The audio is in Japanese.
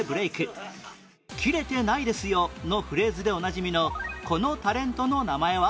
「キレてないですよ」のフレーズでおなじみのこのタレントの名前は？